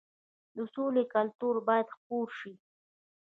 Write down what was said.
د سولې کلتور باید خپور شي.